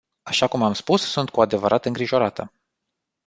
Așa cum am spus, sunt cu adevărat îngrijorată.